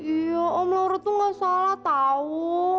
iya om laura tuh nggak salah tahu